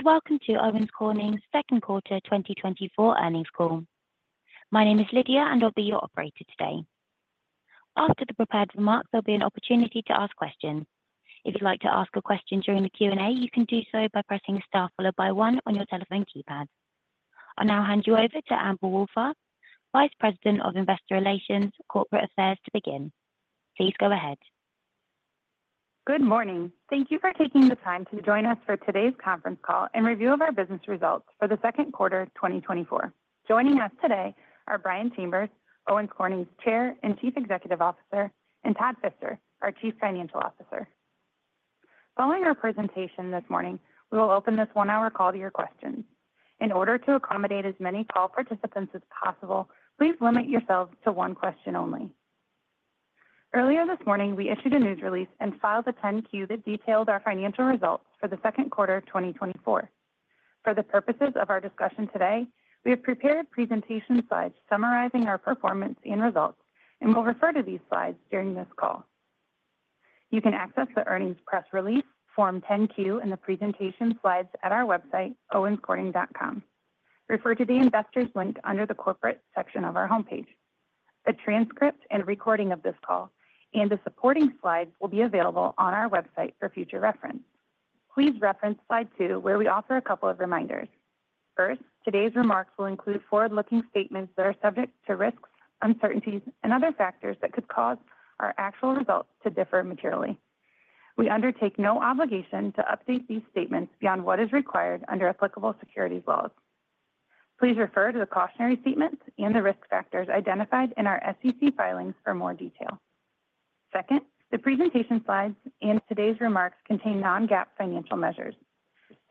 Hello, all, and welcome to Owens Corning's second quarter 2024 earnings call. My name is Lydia, and I'll be your operator today. After the prepared remarks, there'll be an opportunity to ask questions. If you'd like to ask a question during the Q&A, you can do so by pressing star followed by one on your telephone keypad. I'll now hand you over to Amber Wohlfarth, Vice President of Investor Relations, Corporate Affairs, to begin. Please go ahead. Good morning. Thank you for taking the time to join us for today's conference call and review of our business results for the second quarter of 2024. Joining us today are Brian Chambers, Owens Corning's Chair and Chief Executive Officer, and Todd Fister, our Chief Financial Officer. Following our presentation this morning, we will open this one-hour call to your questions. In order to accommodate as many call participants as possible, please limit yourselves to one question only. Earlier this morning, we issued a news release and filed a 10-Q that detailed our financial results for the second quarter of 2024. For the purposes of our discussion today, we have prepared presentation slides summarizing our performance and results, and we'll refer to these slides during this call. You can access the earnings press release, Form 10-Q, and the presentation slides at our website, owenscorning.com. Refer to the Investors link under the Corporate section of our homepage. A transcript and recording of this call and the supporting slides will be available on our website for future reference. Please reference slide two, where we offer a couple of reminders. First, today's remarks will include forward-looking statements that are subject to risks, uncertainties, and other factors that could cause our actual results to differ materially. We undertake no obligation to update these statements beyond what is required under applicable securities laws. Please refer to the cautionary statements and the risk factors identified in our SEC filings for more detail. Second, the presentation slides and today's remarks contain non-GAAP financial measures.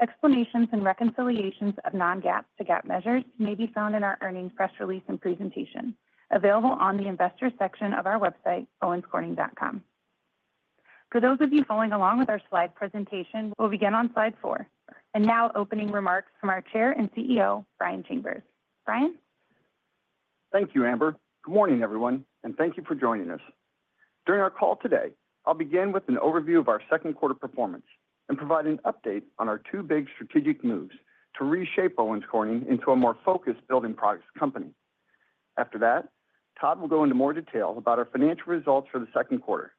Explanations and reconciliations of non-GAAP to GAAP measures may be found in our earnings press release and presentation, available on the Investor section of our website, owenscorning.com. For those of you following along with our slide presentation, we'll begin on slide 4. Now, opening remarks from our Chair and CEO, Brian Chambers. Brian? Thank you, Amber. Good morning, everyone, and thank you for joining us. During our call today, I'll begin with an overview of our second quarter performance and provide an update on our two big strategic moves to reshape Owens Corning into a more focused building products company. After that, Todd will go into more detail about our financial results for the second quarter,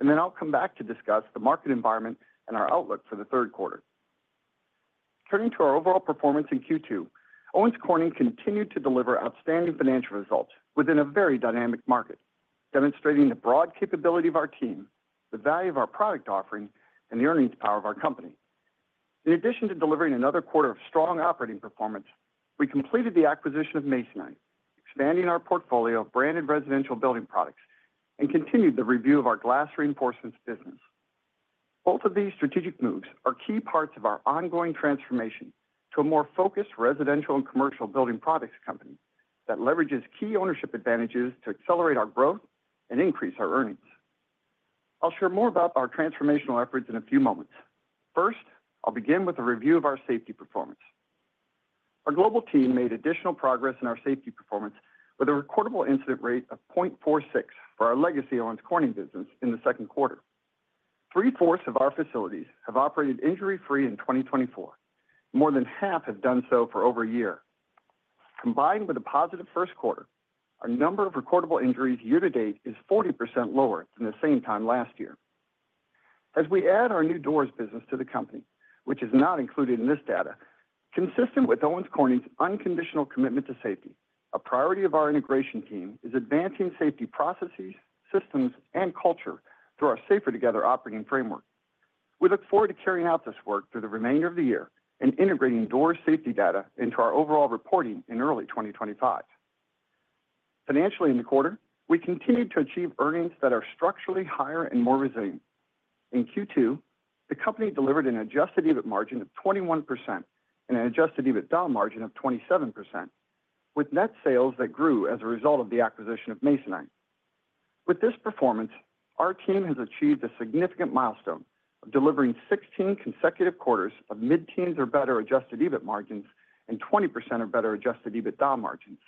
and then I'll come back to discuss the market environment and our outlook for the third quarter. Turning to our overall performance in Q2, Owens Corning continued to deliver outstanding financial results within a very dynamic market, demonstrating the broad capability of our team, the value of our product offering, and the earnings power of our company. In addition to delivering another quarter of strong operating performance, we completed the acquisition of Masonite, expanding our portfolio of branded residential building products, and continued the review of our Glass Reinforcements business. Both of these strategic moves are key parts of our ongoing transformation to a more focused residential and commercial building products company that leverages key ownership advantages to accelerate our growth and increase our earnings. I'll share more about our transformational efforts in a few moments. First, I'll begin with a review of our safety performance. Our global team made additional progress in our safety performance with a recordable incident rate of 0.46 for our legacy Owens Corning business in the second quarter. 3/4 of our facilities have operated injury-free in 2024. More than half have done so for over a year. Combined with a positive first quarter, our number of recordable injuries year to date is 40% lower than the same time last year. As we add our new doors business to the company, which is not included in this data, consistent with Owens Corning's unconditional commitment to safety, a priority of our integration team is advancing safety processes, systems, and culture through our Safer Together operating framework. We look forward to carrying out this work through the remainder of the year and integrating door safety data into our overall reporting in early 2025. Financially, in the quarter, we continued to achieve earnings that are structurally higher and more resilient. In Q2, the company delivered an adjusted EBIT margin of 21% and an adjusted EBITDA margin of 27%, with net sales that grew as a result of the acquisition of Masonite. With this performance, our team has achieved a significant milestone of delivering 16 consecutive quarters of mid-teens or better Adjusted EBIT margins and 20% or better Adjusted EBITDA margins.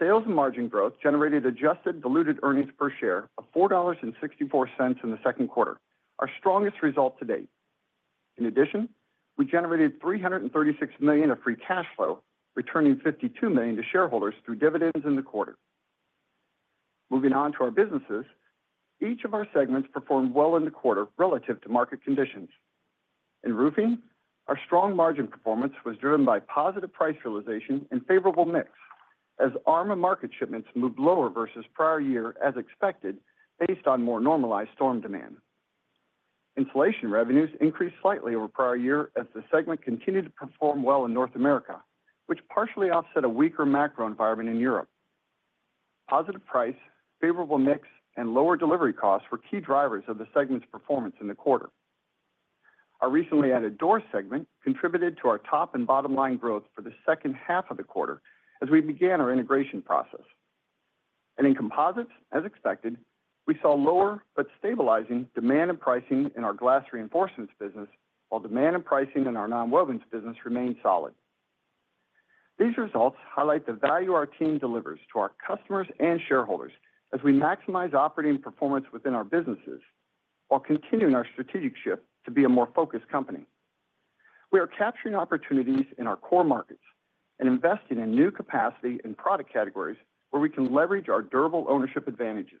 Sales and margin growth generated adjusted diluted earnings per share of $4.64 in the second quarter, our strongest result to date. In addition, we generated $336 million of free cash flow, returning $52 million to shareholders through dividends in the quarter. Moving on to our businesses, each of our segments performed well in the quarter relative to market conditions. In roofing, our strong margin performance was driven by positive price realization and favorable mix, as ARMA and market shipments moved lower versus prior year, as expected, based on more normalized storm demand. Insulation revenues increased slightly over prior year as the segment continued to perform well in North America, which partially offset a weaker macro environment in Europe. Positive price, favorable mix, and lower delivery costs were key drivers of the segment's performance in the quarter. Our recently added Doors segment contributed to our top and bottom line growth for the second half of the quarter as we began our integration process. In Composites, as expected, we saw lower but stabilizing demand and pricing in our Glass Reinforcements business, while demand and pricing in our Nonwovens business remained solid. These results highlight the value our team delivers to our customers and shareholders as we maximize operating performance within our businesses, while continuing our strategic shift to be a more focused company. We are capturing opportunities in our core markets and investing in new capacity and product categories where we can leverage our durable ownership advantages.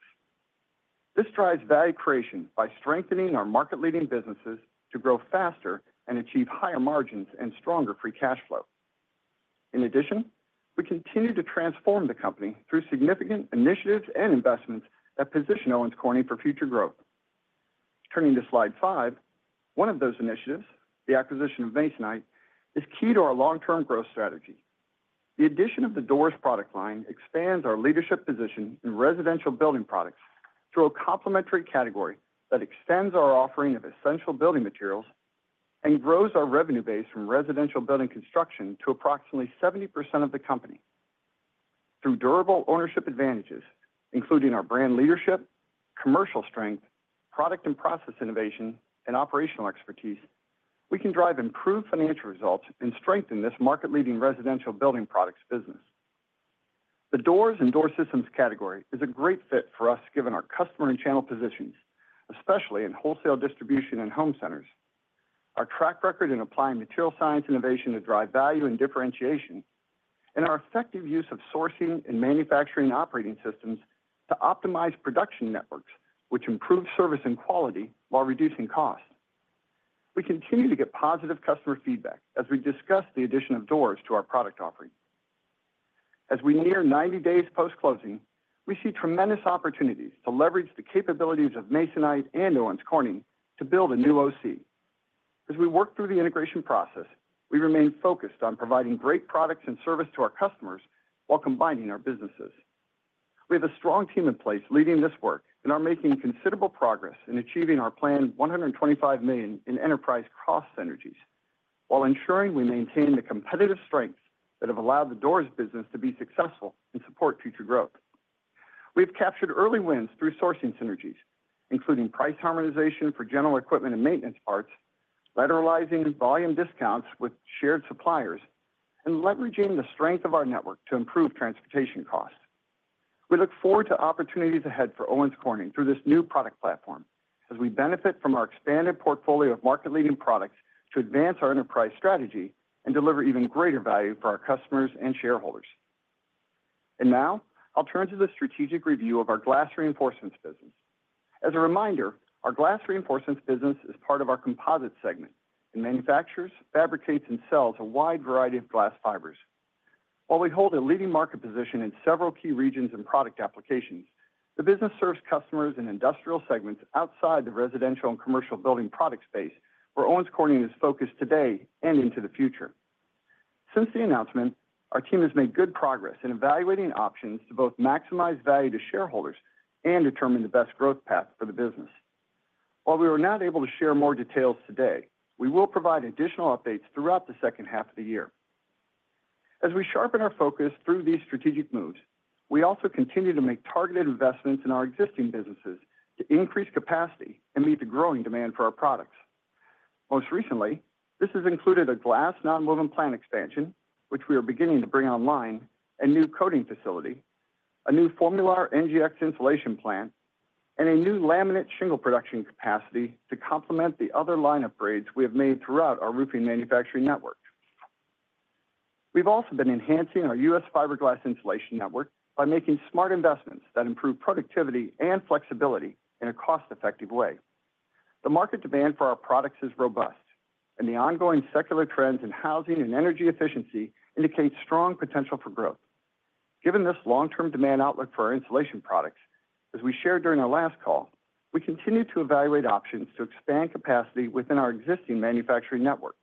This drives value creation by strengthening our market-leading businesses to grow faster and achieve higher margins and stronger free cash flow. In addition, we continue to transform the company through significant initiatives and investments that position Owens Corning for future growth. Turning to slide five, one of those initiatives, the acquisition of Masonite, is key to our long-term growth strategy. The addition of the Doors product line expands our leadership position in residential building products through a complementary category that extends our offering of essential building materials and grows our revenue base from residential building construction to approximately 70% of the company. Through durable ownership advantages, including our brand leadership, commercial strength, product and process innovation, and operational expertise, we can drive improved financial results and strengthen this market-leading residential building products business. The Doors and Door Systems category is a great fit for us, given our customer and channel positions, especially in wholesale distribution and home centers. Our track record in applying material science innovation to drive value and differentiation, and our effective use of sourcing and manufacturing operating systems to optimize production networks, which improve service and quality while reducing costs. We continue to get positive customer feedback as we discuss the addition of Doors to our product offering. As we near 90 days post-closing, we see tremendous opportunities to leverage the capabilities of Masonite and Owens Corning to build a new OC. As we work through the integration process, we remain focused on providing great products and service to our customers while combining our businesses. We have a strong team in place leading this work and are making considerable progress in achieving our planned $125 million in enterprise cost synergies, while ensuring we maintain the competitive strengths that have allowed the Doors business to be successful and support future growth. We've captured early wins through sourcing synergies, including price harmonization for general equipment and maintenance parts, lateralizing volume discounts with shared suppliers, and leveraging the strength of our network to improve transportation costs. We look forward to opportunities ahead for Owens Corning through this new product platform, as we benefit from our expanded portfolio of market-leading products to advance our enterprise strategy and deliver even greater value for our customers and shareholders. And now, I'll turn to the strategic review of our Glass Reinforcements business. As a reminder, our Glass Reinforcements business is part of our Composites segment, and manufactures, fabricates, and sells a wide variety of glass fibers. While we hold a leading market position in several key regions and product applications, the business serves customers in industrial segments outside the residential and commercial building product space, where Owens Corning is focused today and into the future. Since the announcement, our team has made good progress in evaluating options to both maximize value to shareholders and determine the best growth path for the business. While we were not able to share more details today, we will provide additional updates throughout the second half of the year. As we sharpen our focus through these strategic moves, we also continue to make targeted investments in our existing businesses to increase capacity and meet the growing demand for our products. Most recently, this has included a glass nonwovens plant expansion, which we are beginning to bring online, a new coating facility, a new FOAMULAR NGX insulation plant, and a new laminate shingle production capacity to complement the other line upgrades we have made throughout our roofing manufacturing network. We've also been enhancing our U.S. fiberglass insulation network by making smart investments that improve productivity and flexibility in a cost-effective way. The market demand for our products is robust, and the ongoing secular trends in housing and energy efficiency indicate strong potential for growth. Given this long-term demand outlook for our insulation products, as we shared during our last call, we continue to evaluate options to expand capacity within our existing manufacturing network.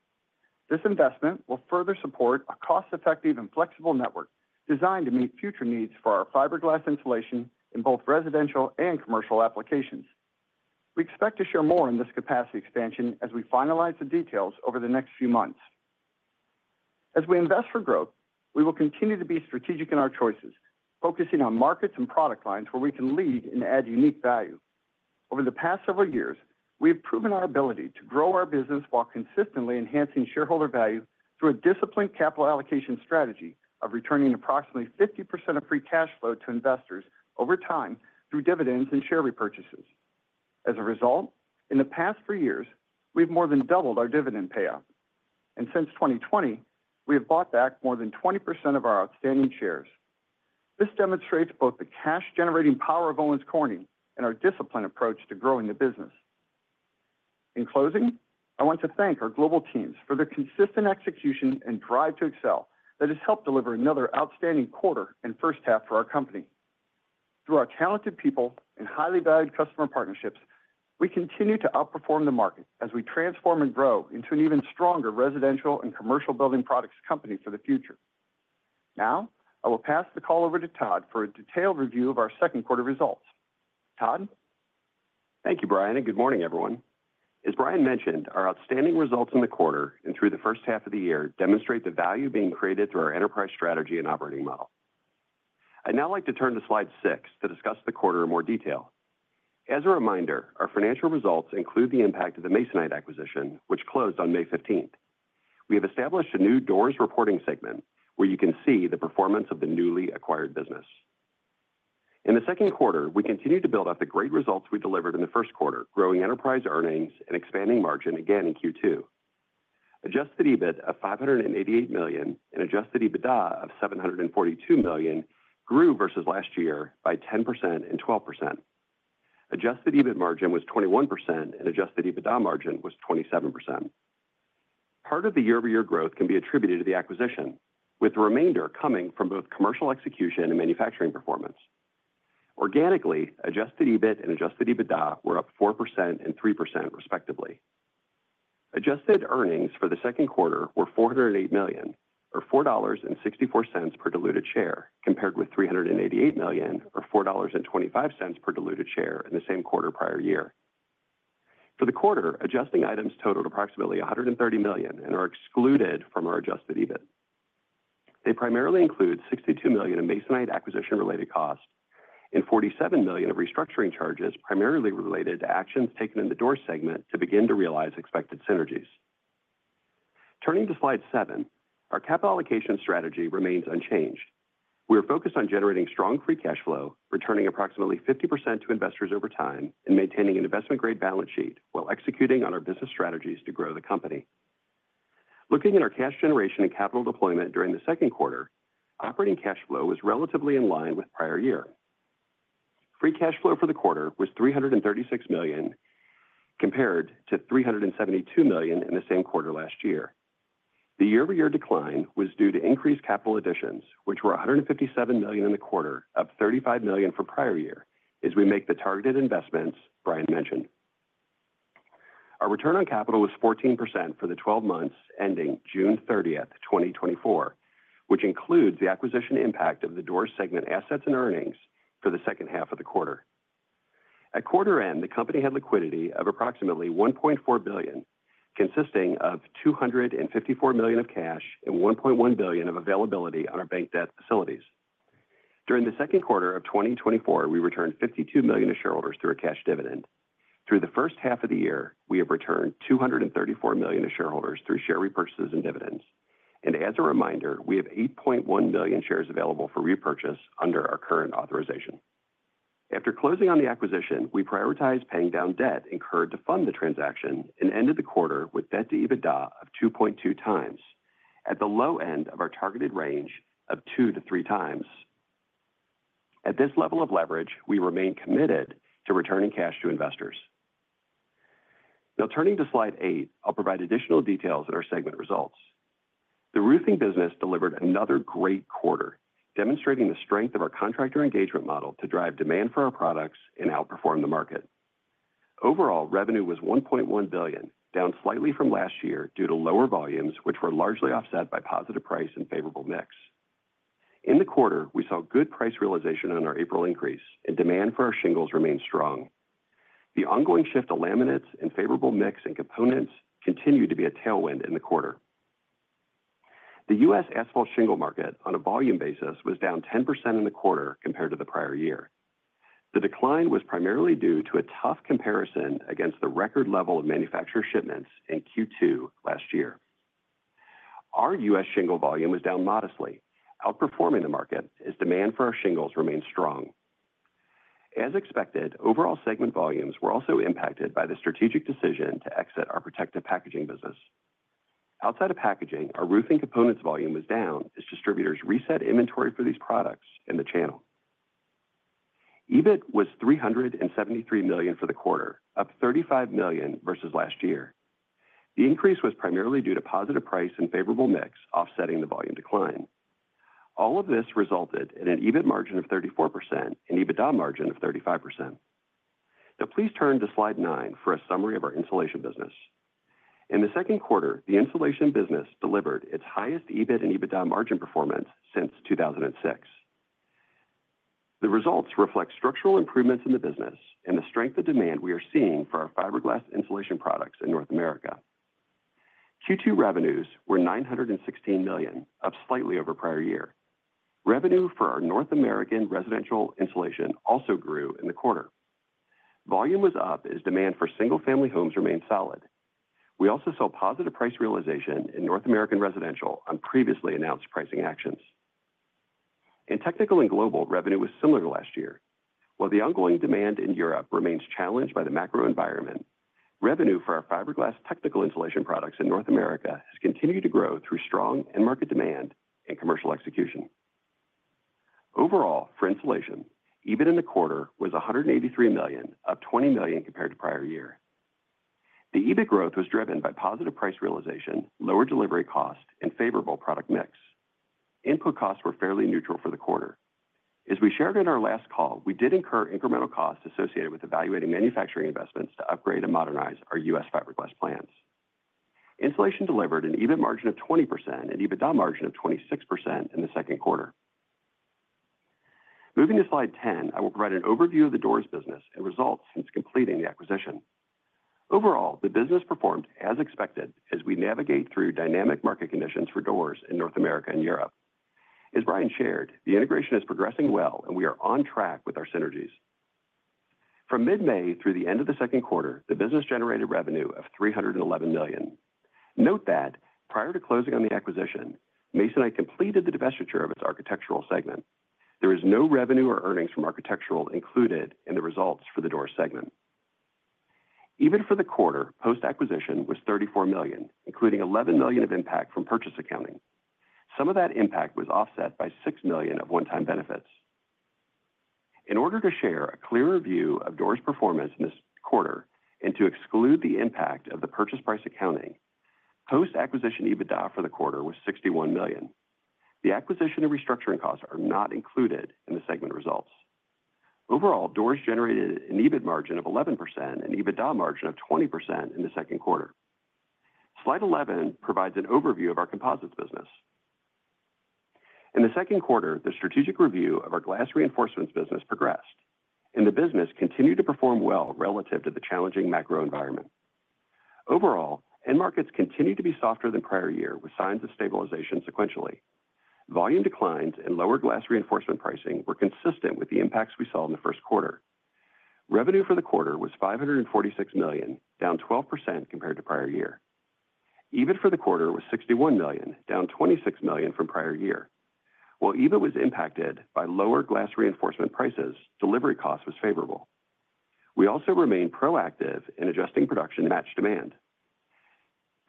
This investment will further support a cost-effective and flexible network designed to meet future needs for our fiberglass insulation in both residential and commercial applications. We expect to share more on this capacity expansion as we finalize the details over the next few months. As we invest for growth, we will continue to be strategic in our choices, focusing on markets and product lines where we can lead and add unique value. Over the past several years, we have proven our ability to grow our business while consistently enhancing shareholder value through a disciplined capital allocation strategy of returning approximately 50% of free cash flow to investors over time through dividends and share repurchases. As a result, in the past three years, we've more than doubled our dividend payout. And since 2020, we have bought back more than 20% of our outstanding shares. This demonstrates both the cash-generating power of Owens Corning and our disciplined approach to growing the business. In closing, I want to thank our global teams for their consistent execution and drive to excel that has helped deliver another outstanding quarter and first half for our company. Through our talented people and highly valued customer partnerships, we continue to outperform the market as we transform and grow into an even stronger residential and commercial building products company for the future. Now, I will pass the call over to Todd for a detailed review of our second quarter results. Todd? Thank you, Brian, and good morning, everyone. As Brian mentioned, our outstanding results in the quarter and through the first half of the year demonstrate the value being created through our enterprise strategy and operating model. I'd now like to turn to slide six to discuss the quarter in more detail. As a reminder, our financial results include the impact of the Masonite acquisition, which closed on May fifteenth. We have established a new Doors reporting segment, where you can see the performance of the newly acquired business. In the second quarter, we continued to build off the great results we delivered in the first quarter, growing enterprise earnings and expanding margin again in Q2. Adjusted EBIT of $588 million and adjusted EBITDA of $742 million grew versus last year by 10% and 12%. Adjusted EBIT margin was 21% and adjusted EBITDA margin was 27%. Part of the year-over-year growth can be attributed to the acquisition, with the remainder coming from both commercial execution and manufacturing performance. Organically, adjusted EBIT and adjusted EBITDA were up 4% and 3% respectively. Adjusted earnings for the second quarter were $408 million, or $4.64 per diluted share, compared with $388 million, or $4.25 per diluted share in the same quarter prior year. For the quarter, adjusting items totaled approximately $130 million and are excluded from our adjusted EBIT. They primarily include $62 million in Masonite acquisition-related costs and $47 million of restructuring charges, primarily related to actions taken in the Doors segment to begin to realize expected synergies. Turning to slide seven, our capital allocation strategy remains unchanged. We are focused on generating strong free cash flow, returning approximately 50% to investors over time, and maintaining an investment-grade balance sheet while executing on our business strategies to grow the company. Looking at our cash generation and capital deployment during the second quarter, operating cash flow was relatively in line with prior year. Free cash flow for the quarter was $336 million, compared to $372 million in the same quarter last year. The year-over-year decline was due to increased capital additions, which were $157 million in the quarter, up $35 million from prior year, as we make the targeted investments Brian mentioned. Our return on capital was 14% for the 12 months ending June 30, 2024, which includes the acquisition impact of the Doors segment assets and earnings for the second half of the quarter. At quarter end, the company had liquidity of approximately $1.4 billion, consisting of $254 million of cash and $1.1 billion of availability on our bank debt facilities. During the second quarter of 2024, we returned $52 million to shareholders through a cash dividend. Through the first half of the year, we have returned $234 million to shareholders through share repurchases and dividends. And as a reminder, we have 8.1 million shares available for repurchase under our current authorization. After closing on the acquisition, we prioritized paying down debt incurred to fund the transaction and ended the quarter with debt to EBITDA of 2.2x, at the low end of our targeted range of 2x-3x. At this level of leverage, we remain committed to returning cash to investors. Now, turning to slide eight, I'll provide additional details of our segment results. The roofing business delivered another great quarter, demonstrating the strength of our contractor engagement model to drive demand for our products and outperform the market. Overall, revenue was $1.1 billion, down slightly from last year due to lower volumes, which were largely offset by positive price and favorable mix. In the quarter, we saw good price realization on our April increase and demand for our shingles remained strong. The ongoing shift to laminates and favorable mix and components continued to be a tailwind in the quarter. The U.S. asphalt shingle market, on a volume basis, was down 10% in the quarter compared to the prior year. The decline was primarily due to a tough comparison against the record level of manufacturer shipments in Q2 last year. Our U.S. shingle volume was down modestly, outperforming the market as demand for our shingles remained strong. As expected, overall segment volumes were also impacted by the strategic decision to exit our protective packaging business. Outside of packaging, our roofing components volume was down as distributors reset inventory for these products in the channel. EBIT was $373 million for the quarter, up $35 million versus last year. The increase was primarily due to positive price and favorable mix, offsetting the volume decline. All of this resulted in an EBIT margin of 34% and EBITDA margin of 35%. Now, please turn to slide 9 for a summary of our insulation business. In the second quarter, the insulation business delivered its highest EBIT and EBITDA margin performance since 2006. The results reflect structural improvements in the business and the strength of demand we are seeing for our fiberglass insulation products in North America. Q2 revenues were $916 million, up slightly over prior year. Revenue for our North American Residential Insulation also grew in the quarter. Volume was up as demand for single-family homes remained solid. We also saw positive price realization in North American residential on previously announced pricing actions. In Technical and Global, revenue was similar to last year. While the ongoing demand in Europe remains challenged by the macro environment, revenue for our fiberglass technical insulation products in North America has continued to grow through strong end market demand and commercial execution. Overall, for insulation, EBIT in the quarter was $183 million, up $20 million compared to prior year. The EBIT growth was driven by positive price realization, lower delivery cost, and favorable product mix. Input costs were fairly neutral for the quarter. As we shared in our last call, we did incur incremental costs associated with evaluating manufacturing investments to upgrade and modernize our U.S. fiberglass plants. Insulation delivered an EBIT margin of 20% and EBITDA margin of 26% in the second quarter. Moving to slide 10, I will provide an overview of the Doors business and results since completing the acquisition. Overall, the business performed as expected as we navigate through dynamic market conditions for Doors in North America and Europe. As Brian shared, the integration is progressing well, and we are on track with our synergies. From mid-May through the end of the second quarter, the business generated revenue of $311 million. Note that prior to closing on the acquisition, Masonite completed the divestiture of its architectural segment. There is no revenue or earnings from architectural included in the results for the Doors segment. Even for the quarter, post-acquisition was $34 million, including $11 million of impact from purchase accounting. Some of that impact was offset by $6 million of one-time benefits. In order to share a clearer view of Doors performance in this quarter and to exclude the impact of the purchase price accounting, post-acquisition EBITDA for the quarter was $61 million. The acquisition and restructuring costs are not included in the segment results. Overall, Doors generated an EBIT margin of 11% and EBITDA margin of 20% in the second quarter. Slide 11 provides an overview of our Composites business. In the second quarter, the strategic review of our Glass Reinforcements business progressed, and the business continued to perform well relative to the challenging macro environment. Overall, end markets continued to be softer than prior year, with signs of stabilization sequentially. Volume declines and lower glass reinforcement pricing were consistent with the impacts we saw in the first quarter. Revenue for the quarter was $546 million, down 12% compared to prior year. EBIT for the quarter was $61 million, down $26 million from prior year. While EBIT was impacted by lower glass reinforcement prices, delivery cost was favorable. We also remained proactive in adjusting production to match demand.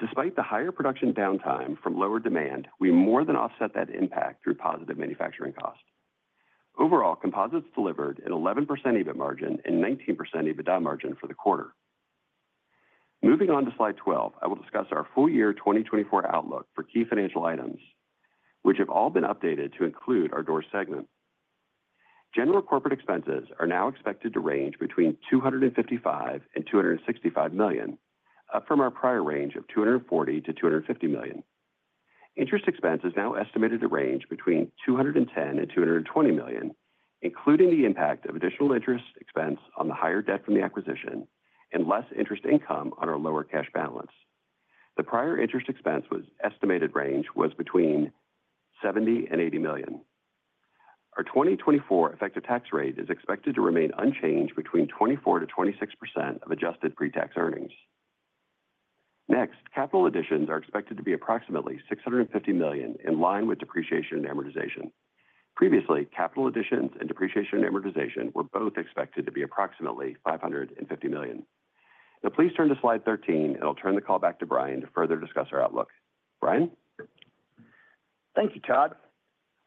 Despite the higher production downtime from lower demand, we more than offset that impact through positive manufacturing costs. Overall, Composites delivered an 11% EBIT margin and 19% EBITDA margin for the quarter. Moving on to slide 12, I will discuss our full year 2024 outlook for key financial items, which have all been updated to include our Doors segment. General corporate expenses are now expected to range between $255 million-$265 million, up from our prior range of $240 million-$250 million. Interest expense is now estimated to range between $210 million-$220 million, including the impact of additional interest expense on the higher debt from the acquisition and less interest income on our lower cash balance. The prior interest expense was estimated range was between $70 million and $80 million. Our 2024 effective tax rate is expected to remain unchanged between 24%-26% of adjusted pre-tax earnings. Next, capital additions are expected to be approximately $650 million, in line with depreciation and amortization. Previously, capital additions and depreciation, and amortization were both expected to be approximately $550 million. Now, please turn to slide 13, and I'll turn the call back to Brian to further discuss our outlook. Brian? Thank you, Todd.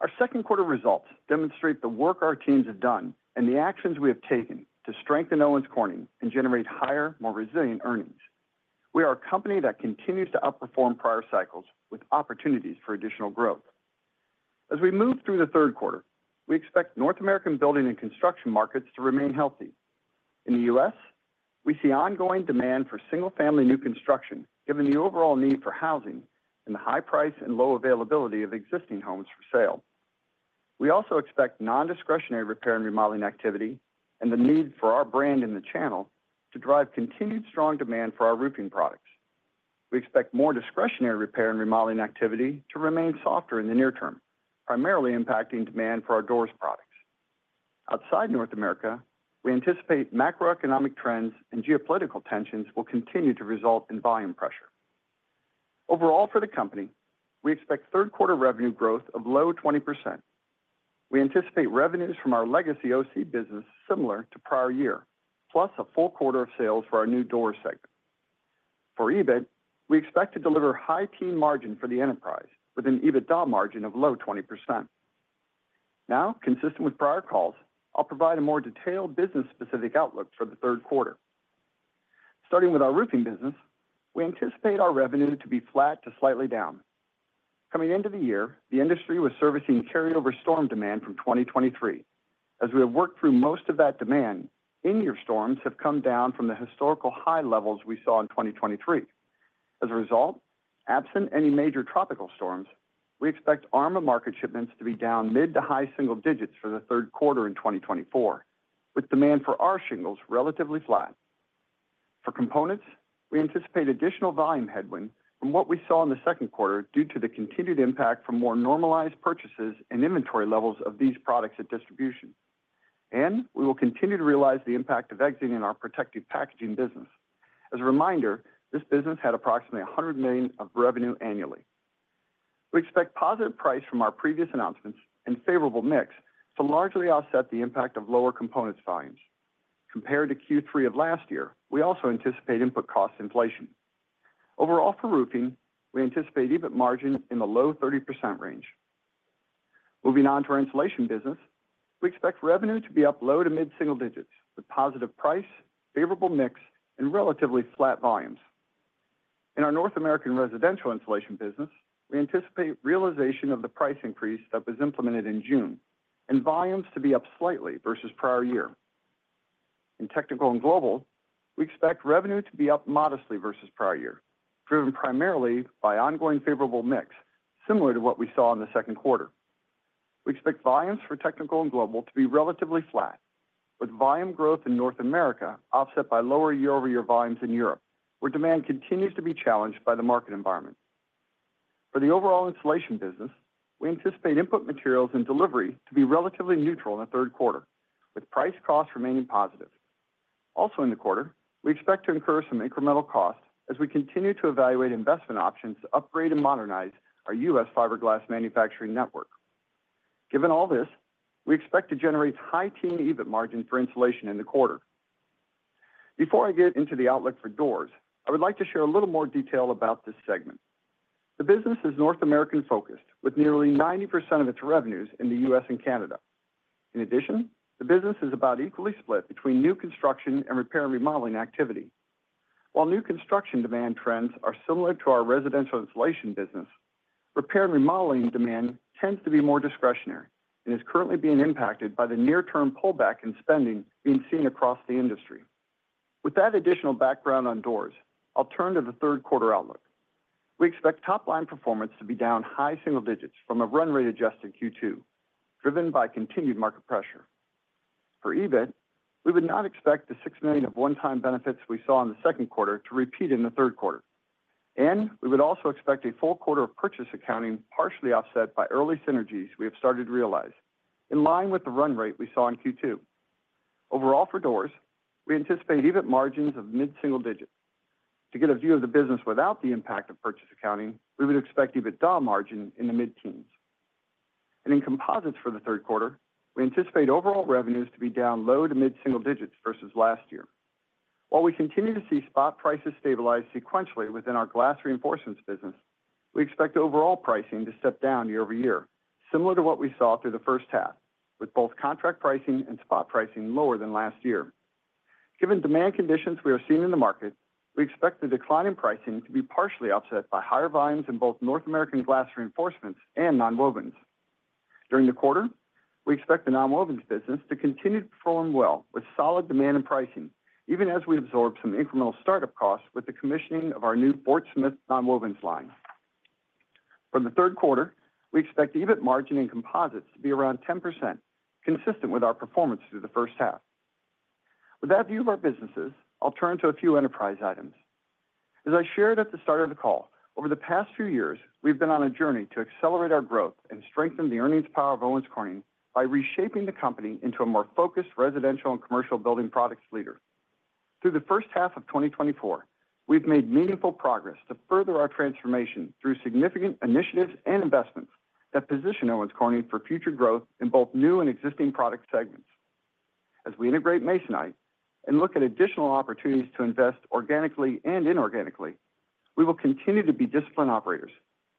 Our second quarter results demonstrate the work our teams have done and the actions we have taken to strengthen Owens Corning and generate higher, more resilient earnings. We are a company that continues to outperform prior cycles with opportunities for additional growth. As we move through the third quarter, we expect North American building and construction markets to remain healthy. In the U.S., we see ongoing demand for single-family new construction, given the overall need for housing and the high price and low availability of existing homes for sale. We also expect non-discretionary repair and remodeling activity and the need for our brand in the channel to drive continued strong demand for our roofing products. We expect more discretionary repair and remodeling activity to remain softer in the near term, primarily impacting demand for our doors products. Outside North America, we anticipate macroeconomic trends and geopolitical tensions will continue to result in volume pressure. Overall, for the company, we expect third quarter revenue growth of low 20%. We anticipate revenues from our legacy OC business similar to prior year, plus a full quarter of sales for our new door segment. For EBIT, we expect to deliver high-teen margin for the enterprise with an EBITDA margin of low 20%. Now, consistent with prior calls, I'll provide a more detailed business-specific outlook for the third quarter. Starting with our roofing business, we anticipate our revenue to be flat to slightly down. Coming into the year, the industry was servicing carryover storm demand from 2023. As we have worked through most of that demand, in-year storms have come down from the historical high levels we saw in 2023. As a result, absent any major tropical storms, we expect ARMA market shipments to be down mid- to high-single digits for the third quarter in 2024, with demand for our shingles relatively flat. For components, we anticipate additional volume headwind from what we saw in the second quarter due to the continued impact from more normalized purchases and inventory levels of these products at distribution. We will continue to realize the impact of exiting our protective packaging business. As a reminder, this business had approximately $100 million of revenue annually. We expect positive price from our previous announcements and favorable mix to largely offset the impact of lower components volumes. Compared to Q3 of last year, we also anticipate input cost inflation. Overall, for roofing, we anticipate EBIT margin in the low 30% range. Moving on to our Insulation business, we expect revenue to be up low to mid-single digits, with positive price, favorable mix, and relatively flat volumes. In our North American Residential Insulation business, we anticipate realization of the price increase that was implemented in June and volumes to be up slightly versus prior year. In Technical and Global, we expect revenue to be up modestly versus prior year, driven primarily by ongoing favorable mix, similar to what we saw in the second quarter. We expect volumes for Technical and Global to be relatively flat, with volume growth in North America offset by lower year-over-year volumes in Europe, where demand continues to be challenged by the market environment. For the overall Insulation business, we anticipate input materials and delivery to be relatively neutral in the third quarter, with price costs remaining positive. Also in the quarter, we expect to incur some incremental costs as we continue to evaluate investment options to upgrade and modernize our U.S. fiberglass manufacturing network. Given all this, we expect to generate high-teen EBIT margin for Insulation in the quarter. Before I get into the outlook for Doors, I would like to share a little more detail about this segment. The business is North American-focused, with nearly 90% of its revenues in the U.S. and Canada. In addition, the business is about equally split between new construction and repair and remodeling activity. While new construction demand trends are similar to our residential insulation business, repair and remodeling demand tends to be more discretionary and is currently being impacted by the near-term pullback in spending being seen across the industry. With that additional background on Doors, I'll turn to the third quarter outlook. We expect top-line performance to be down high single digits from a run rate adjusted Q2, driven by continued market pressure. For EBIT, we would not expect the $6 million of one-time benefits we saw in the second quarter to repeat in the third quarter. We would also expect a full quarter of purchase accounting, partially offset by early synergies we have started to realize, in line with the run rate we saw in Q2. Overall, for Doors, we anticipate EBIT margins of mid-single digits. To get a view of the business without the impact of purchase accounting, we would expect EBITDA margin in the mid-teens. In Composites for the third quarter, we anticipate overall revenues to be down low to mid-single digits versus last year. While we continue to see spot prices stabilize sequentially within our Glass Reinforcements business, we expect overall pricing to step down year-over-year, similar to what we saw through the first half, with both contract pricing and spot pricing lower than last year. Given demand conditions we are seeing in the market, we expect the decline in pricing to be partially offset by higher volumes in both North American Glass Reinforcements and Nonwovens. During the quarter, we expect the Nonwovens business to continue to perform well with solid demand and pricing, even as we absorb some incremental startup costs with the commissioning of our new Fort Smith Nonwovens line. For the third quarter, we expect EBIT margin in Composites to be around 10%, consistent with our performance through the first half. With that view of our businesses, I'll turn to a few enterprise items. As I shared at the start of the call, over the past few years, we've been on a journey to accelerate our growth and strengthen the earnings power of Owens Corning by reshaping the company into a more focused residential and commercial building products leader. Through the first half of 2024, we've made meaningful progress to further our transformation through significant initiatives and investments that position Owens Corning for future growth in both new and existing product segments. As we integrate Masonite and look at additional opportunities to invest organically and inorganically, we will continue to be disciplined operators,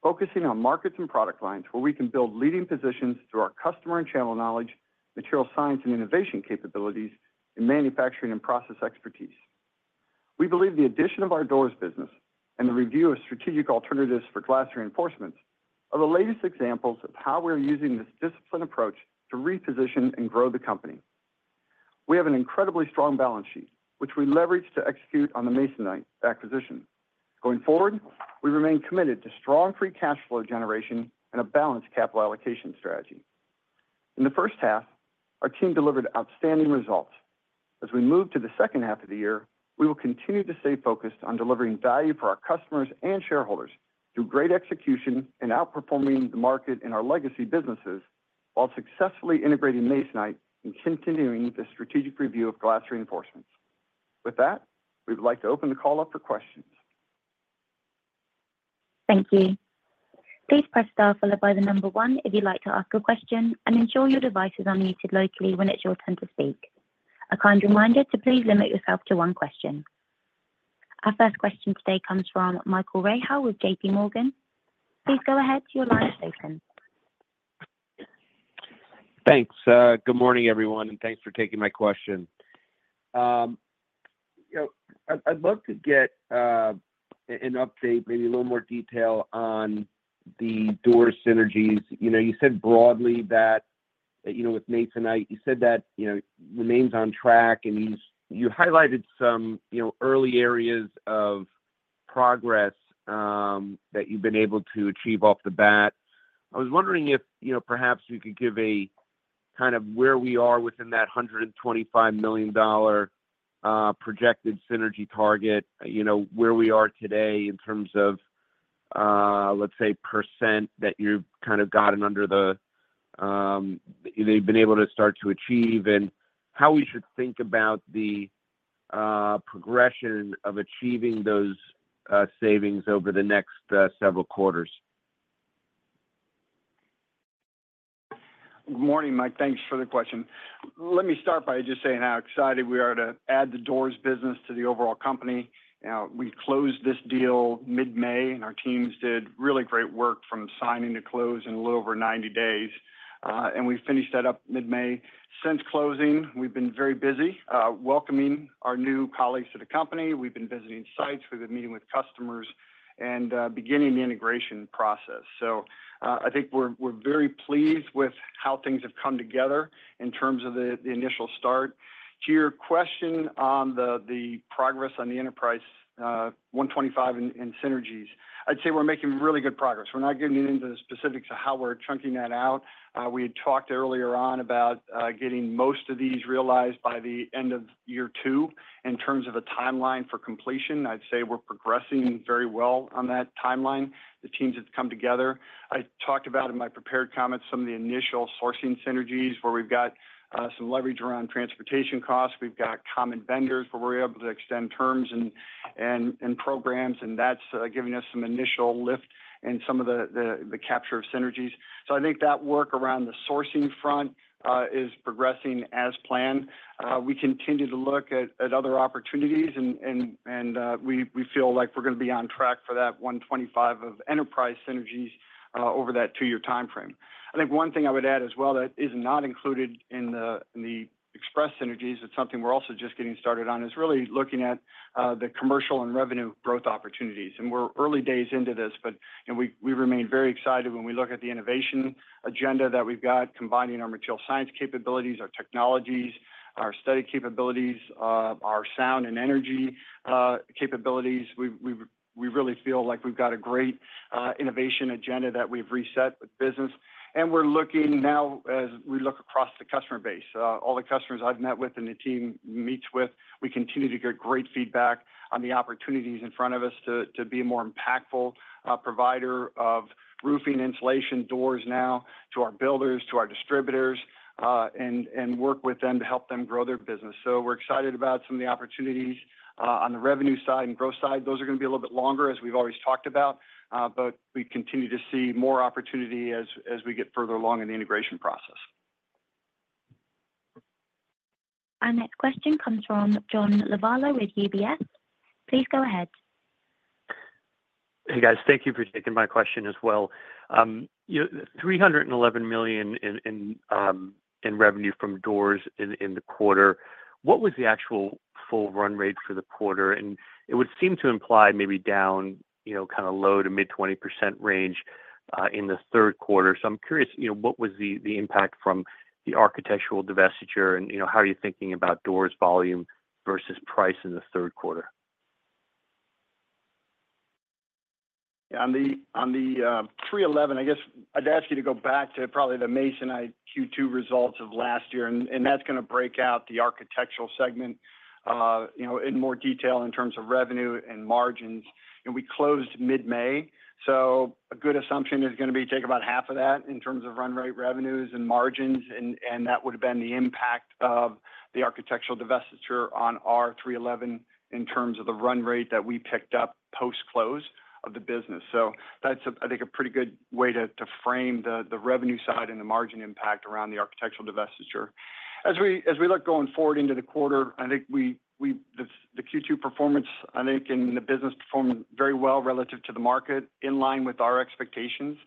focusing on markets and product lines where we can build leading positions through our customer and channel knowledge, material science and innovation capabilities, and manufacturing and process expertise. We believe the addition of our Doors business and the review of strategic alternatives for Glass Reinforcements are the latest examples of how we are using this disciplined approach to reposition and grow the company. We have an incredibly strong balance sheet, which we leveraged to execute on the Masonite acquisition. Going forward, we remain committed to strong free cash flow generation and a balanced capital allocation strategy. In the first half, our team delivered outstanding results. As we move to the second half of the year, we will continue to stay focused on delivering value for our customers and shareholders through great execution and outperforming the market in our legacy businesses, while successfully integrating Masonite and continuing the strategic review of Glass Reinforcements. With that, we would like to open the call up for questions. Thank you. Please press star followed by the number one if you'd like to ask a question, and ensure your device is unmuted locally when it's your turn to speak. A kind reminder to please limit yourself to one question. Our first question today comes from Michael Rehaut with JPMorgan. Please go ahead, your line is open. Thanks. Good morning, everyone, and thanks for taking my question. You know, I'd, I'd love to get an update, maybe a little more detail on the Doors synergies. You know, you said broadly that, you know, with Masonite, you said that, you know, remains on track and is, you highlighted some, you know, early areas of progress that you've been able to achieve off the bat. I was wondering if, you know, perhaps you could give a kind of where we are within that $125 million projected synergy target, you know, where we are today in terms of, let's say, percent that you've kind of gotten under the, that you've been able to start to achieve, and how we should think about the progression of achieving those savings over the next several quarters? Good morning, Mike. Thanks for the question. Let me start by just saying how excited we are to add the Doors business to the overall company. You know, we closed this deal mid-May, and our teams did really great work from signing to close in a little over 90 days, and we finished that up mid-May. Since closing, we've been very busy, welcoming our new colleagues to the company. We've been visiting sites, we've been meeting with customers, and beginning the integration process. So, I think we're very pleased with how things have come together in terms of the initial start. To your question on the progress on the enterprise $125 in synergies, I'd say we're making really good progress. We're not getting into the specifics of how we're chunking that out. We had talked earlier on about getting most of these realized by the end of year two. In terms of a timeline for completion, I'd say we're progressing very well on that timeline. The teams have come together. I talked about in my prepared comments, some of the initial sourcing synergies, where we've got some leverage around transportation costs. We've got common vendors, where we're able to extend terms and programs, and that's giving us some initial lift in some of the capture of synergies. So I think that work around the sourcing front is progressing as planned. We continue to look at other opportunities and we feel like we're gonna be on track for that $125 million of enterprise synergies over that two-year timeframe. I think one thing I would add as well, that is not included in the expressed synergies, it's something we're also just getting started on, is really looking at the commercial and revenue growth opportunities. And we're early days into this, but and we remain very excited when we look at the innovation agenda that we've got, combining our material science capabilities, our technologies, our study capabilities, our sound and energy capabilities. We really feel like we've got a great innovation agenda that we've reset with business. And we're looking now as we look across the customer base. All the customers I've met with and the team meets with, we continue to get great feedback on the opportunities in front of us to, to be a more impactful, provider of roofing, insulation, doors now to our builders, to our distributors, and, and work with them to help them grow their business. So we're excited about some of the opportunities, on the revenue side and growth side. Those are gonna be a little bit longer, as we've always talked about, but we continue to see more opportunity as, as we get further along in the integration process. Our next question comes from John Lovallo with UBS. Please go ahead. Hey, guys. Thank you for taking my question as well. You know, $311 million in revenue from doors in the quarter, what was the actual full run rate for the quarter? And it would seem to imply maybe down, you know, kind of low-to-mid 20% range in the third quarter. So I'm curious, you know, what was the impact from the architectural divestiture? And, you know, how are you thinking about doors volume versus price in the third quarter? Yeah, on the $311 million, I guess I'd ask you to go back to probably the Masonite Q2 results of last year, and that's gonna break out the architectural segment, you know, in more detail in terms of revenue and margins. And we closed mid-May, so a good assumption is gonna be take about half of that in terms of run rate revenues and margins, and that would have been the impact of the architectural divestiture on our $311 million in terms of the run rate that we picked up post-close of the business. So that's, I think, a pretty good way to frame the revenue side and the margin impact around the architectural divestiture. As we look going forward into the quarter, I think the Q2 performance, I think, and the business performed very well relative to the market, in line with our expectations.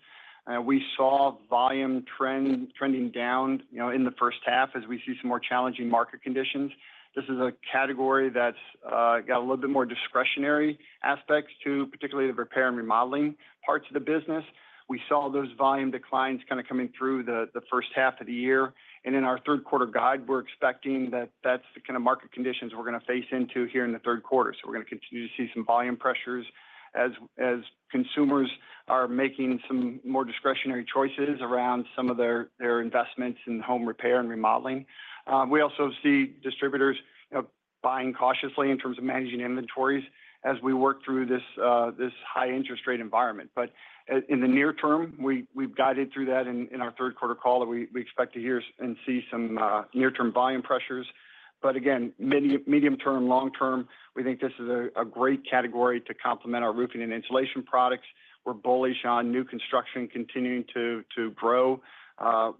We saw volume trend trending down, you know, in the first half as we see some more challenging market conditions. This is a category that's got a little bit more discretionary aspects to, particularly the repair and remodeling parts of the business. We saw those volume declines kind of coming through the first half of the year, and in our third quarter guide, we're expecting that that's the kind of market conditions we're gonna face into here in the third quarter. So we're gonna continue to see some volume pressures as consumers are making some more discretionary choices around some of their investments in home repair and remodeling. We also see distributors, you know, buying cautiously in terms of managing inventories as we work through this high interest rate environment. But in the near term, we've guided through that in our third quarter call, that we expect to hear and see some near-term volume pressures. But again, medium term, long term, we think this is a great category to complement our roofing and insulation products. We're bullish on new construction continuing to grow.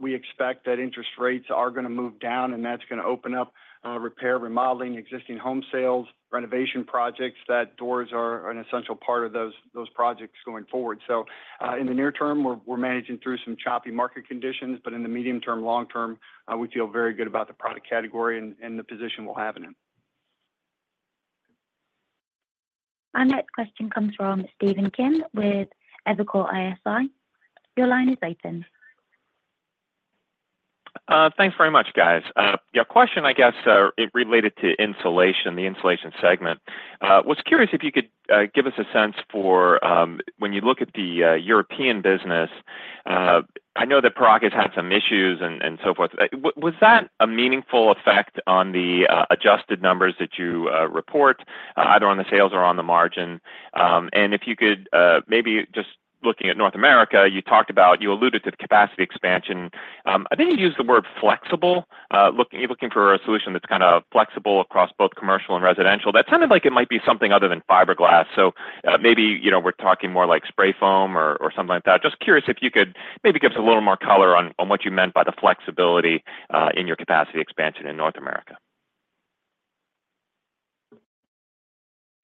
We expect that interest rates are gonna move down, and that's gonna open up repair, remodeling, existing home sales, renovation projects, that doors are an essential part of those projects going forward. So, in the near term, we're managing through some choppy market conditions, but in the medium term, long term, we feel very good about the product category and the position we'll have in it. Our next question comes from Stephen Kim with Evercore ISI. Your line is open. Thanks very much, guys. Yeah, question, I guess, it related to insulation, the insulation segment. Was curious if you could give us a sense for when you look at the European business. I know that pricing has had some issues and so forth. Was that a meaningful effect on the adjusted numbers that you report either on the sales or on the margin? And if you could maybe just looking at North America, you alluded to the capacity expansion. I think you used the word flexible. You're looking for a solution that's kind of flexible across both commercial and residential. That sounded like it might be something other than fiberglass. So, maybe, you know, we're talking more like spray foam or something like that. Just curious if you could maybe give us a little more color on what you meant by the flexibility in your capacity expansion in North America.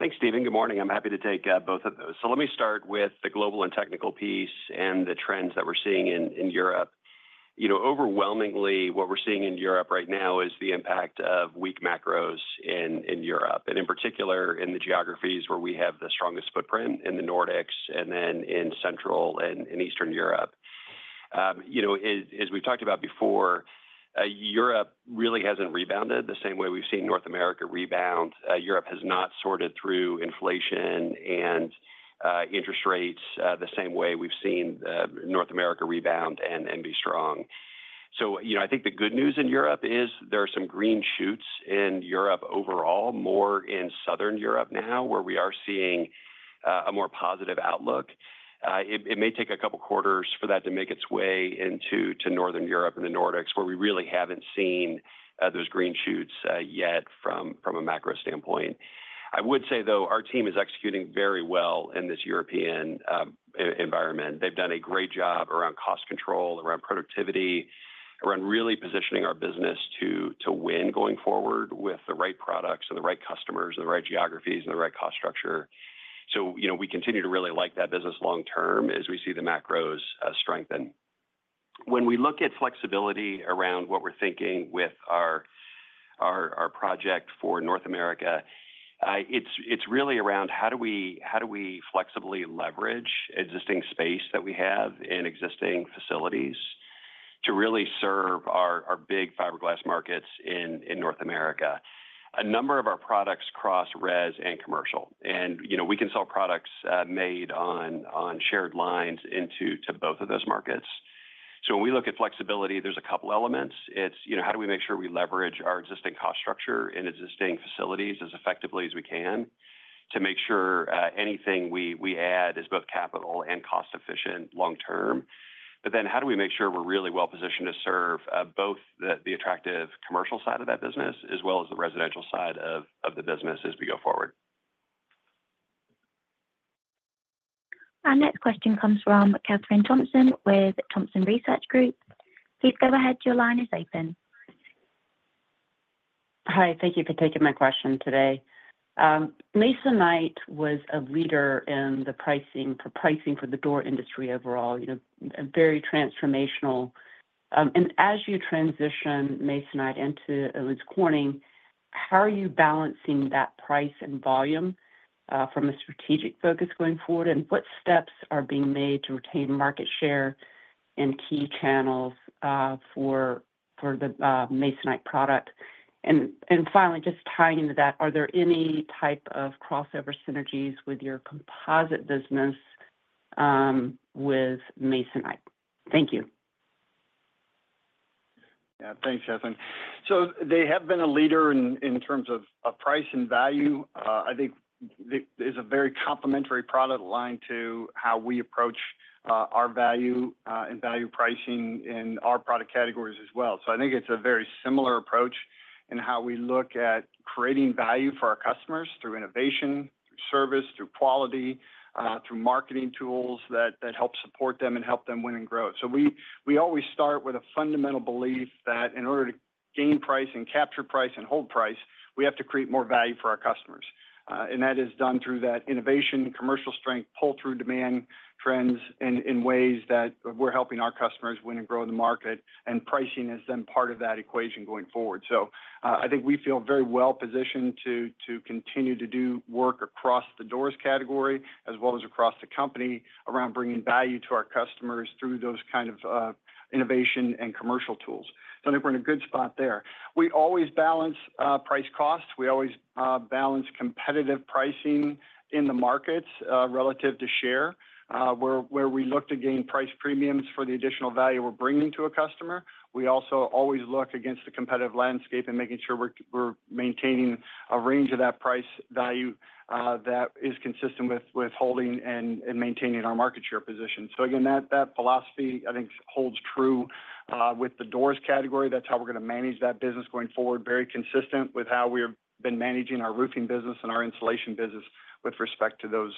Thanks, Steven. Good morning. I'm happy to take both of those. So let me start with the global and technical piece and the trends that we're seeing in Europe. You know, overwhelmingly, what we're seeing in Europe right now is the impact of weak macros in Europe, and in particular, in the geographies where we have the strongest footprint in the Nordics and then in Central and in Eastern Europe. You know, as we've talked about before, Europe really hasn't rebounded the same way we've seen North America rebound. Europe has not sorted through inflation and interest rates the same way we've seen North America rebound and be strong. So, you know, I think the good news in Europe is there are some green shoots in Europe overall, more in Southern Europe now, where we are seeing a more positive outlook. It may take a couple quarters for that to make its way into Northern Europe and the Nordics, where we really haven't seen those green shoots yet from a macro standpoint. I would say, though, our team is executing very well in this European environment. They've done a great job around cost control, around productivity, around really positioning our business to win going forward with the right products and the right customers, the right geographies, and the right cost structure. So, you know, we continue to really like that business long term as we see the macros strengthen. When we look at flexibility around what we're thinking with our project for North America, it's really around how do we flexibly leverage existing space that we have in existing facilities to really serve our big fiberglass markets in North America? A number of our products cross res and commercial, and, you know, we can sell products made on shared lines into both of those markets. So when we look at flexibility, there's a couple elements. It's, you know, how do we make sure we leverage our existing cost structure and existing facilities as effectively as we can, to make sure anything we add is both capital and cost efficient long term? But then how do we make sure we're really well-positioned to serve both the attractive commercial side of that business as well as the residential side of the business as we go forward? Our next question comes from Kathryn Thompson with Thompson Research Group. Please go ahead. Your line is open. Hi, thank you for taking my question today. Masonite was a leader in the pricing, for pricing for the door industry overall, you know, a very transformational. And as you transition Masonite into Owens Corning, how are you balancing that price and volume from a strategic focus going forward? And what steps are being made to retain market share in key channels for the Masonite product? And finally, just tying into that, are there any type of crossover synergies with your composite business with Masonite? Thank you. Yeah, thanks, Kathryn. So they have been a leader in terms of price and value. I think it's a very complementary product line to how we approach our value and value pricing in our product categories as well. So I think it's a very similar approach in how we look at creating value for our customers through innovation, through service, through quality, through marketing tools that help support them and help them win and grow. So we always start with a fundamental belief that in order to gain price and capture price and hold price, we have to create more value for our customers. And that is done through that innovation, commercial strength, pull-through demand trends in ways that we're helping our customers win and grow the market, and pricing is then part of that equation going forward. So, I think we feel very well positioned to continue to do work across the doors category, as well as across the company around bringing value to our customers through those kind of innovation and commercial tools. So I think we're in a good spot there. We always balance price costs. We always balance competitive pricing in the markets relative to share, where we look to gain price premiums for the additional value we're bringing to a customer. We also always look against the competitive landscape and making sure we're maintaining a range of that price value that is consistent with holding and maintaining our market share position. So again, that philosophy, I think, holds true with the doors category. That's how we're gonna manage that business going forward, very consistent with how we have been managing our roofing business and our insulation business with respect to those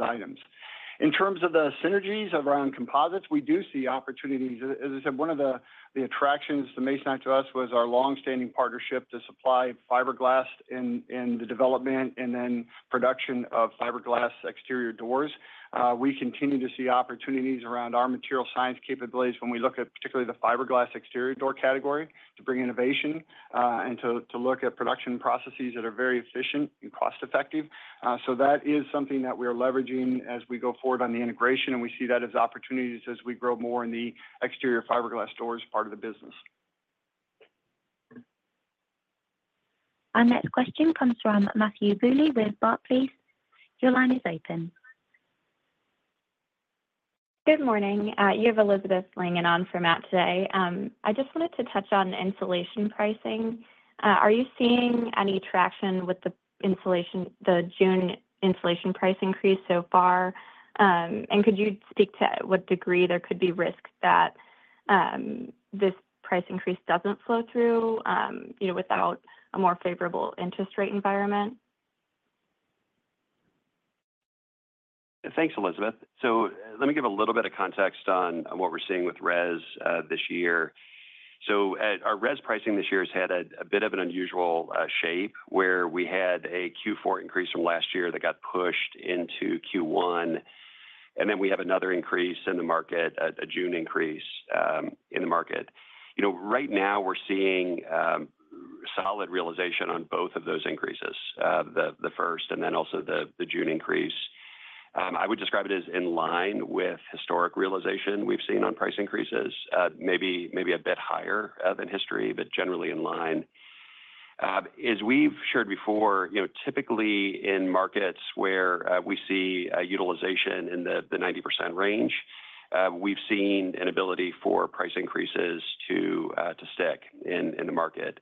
items. In terms of the synergies around composites, we do see opportunities. As I said, one of the attractions to Masonite to us was our long-standing partnership to supply fiberglass in the development and then production of fiberglass exterior doors. We continue to see opportunities around our material science capabilities when we look at particularly the fiberglass exterior door category, to bring innovation, and to look at production processes that are very efficient and cost-effective. So that is something that we are leveraging as we go forward on the integration, and we see that as opportunities as we grow more in the exterior fiberglass doors part of the business. Our next question comes from Matthew Bouley with Barclays. Your line is open. Good morning, you have Elizabeth weighing in for Matt today. I just wanted to touch on insulation pricing. Are you seeing any traction with the June insulation price increase so far? And could you speak to what degree there could be risk that this price increase doesn't flow through, you know, without a more favorable interest rate environment? Thanks, Elizabeth. So let me give a little bit of context on what we're seeing with res this year. So, our res pricing this year has had a bit of an unusual shape, where we had a Q4 increase from last year that got pushed into Q1, and then we have another increase in the market, a June increase, in the market. You know, right now we're seeing solid realization on both of those increases, the first and then also the June increase. I would describe it as in line with historic realization we've seen on price increases, maybe a bit higher than history, but generally in line. As we've shared before, you know, typically in markets where we see utilization in the 90% range, we've seen an ability for price increases to stick in the market.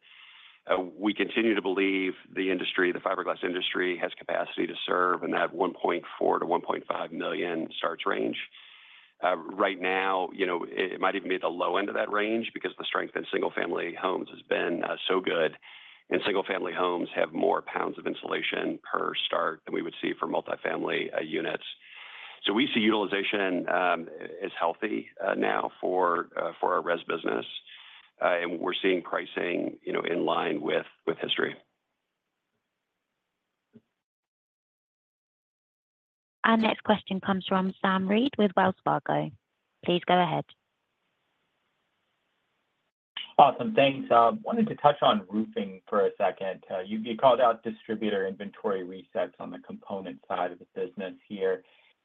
We continue to believe the industry, the fiberglass industry, has capacity to serve and have 1.4 million-1.5 million starts range. Right now, you know, it might even be at the low end of that range because the strength in single-family homes has been so good, and single-family homes have more pounds of insulation per start than we would see for multifamily units. So we see utilization as healthy now for our res business. And we're seeing pricing, you know, in line with history. Our next question comes from Sam Reid with Wells Fargo. Please go ahead. Awesome. Thanks. Wanted to touch on roofing for a second. You called out distributor inventory resets on the component side of the business here.